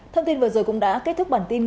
thông tin vừa rồi cũng đã kết thúc bản tin